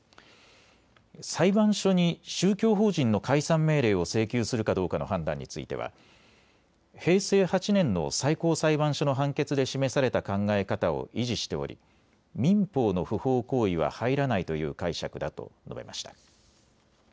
裁判所に宗教法人の解散命令を請求するかどうかの判断については平成８年の最高裁判所の判決で示された考え方を維持しており民法の不法行為は入らないという解釈だと述べました。